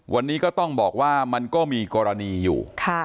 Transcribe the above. วันนี้ก็ต้องบอกว่ามันก็มีกรณีอยู่